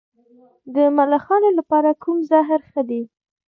د ملخانو لپاره کوم زهر ښه دي؟